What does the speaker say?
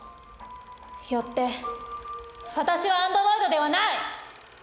「よって私はアンドロイドではない」！